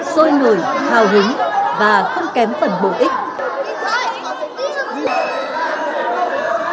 sôi ngửi hào hứng và không kém khóa